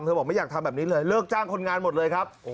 บอกไม่อยากทำแบบนี้เลยเลิกจ้างคนงานหมดเลยครับ